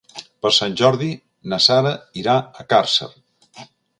Per Sant Jordi na Sara irà a Càrcer.